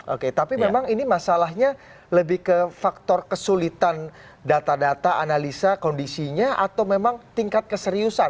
oke tapi memang ini masalahnya lebih ke faktor kesulitan data data analisa kondisinya atau memang tingkat keseriusan